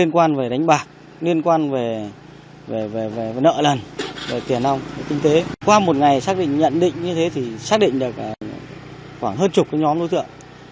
qua một ngày xác định nhận định như thế thì xác định được khoảng hơn chục nhóm đối tượng